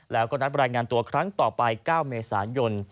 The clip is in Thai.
แล้วก็นัดรายงานตัวครั้งต่อไป๙เมษายน